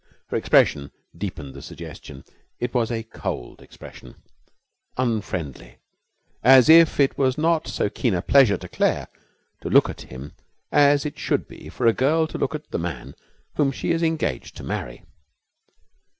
Her expression deepened the suggestion. It was a cold expression, unfriendly, as if it was not so keen a pleasure to Claire to look at him as it should be for a girl to look at the man whom she is engaged to marry.